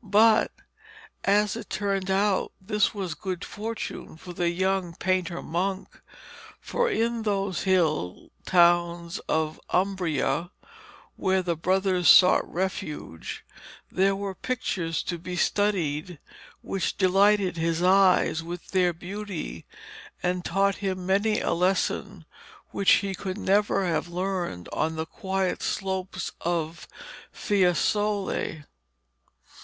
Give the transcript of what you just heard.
But, as it turned out, this was good fortune for the young painter monk, for in those hill towns of Umbria where the brothers sought refuge there were pictures to be studied which delighted his eyes with their beauty, and taught him many a lesson which he could never have learned on the quiet slopes of Fiesole.